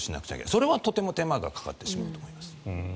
それは手間がかかってしまうと思います。